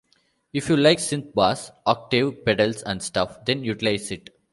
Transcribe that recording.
If you like synth bass, octave pedals and stuff, then utilize it.